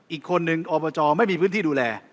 อีกคนนึงอบจไม่มีพื้นที่ดูแล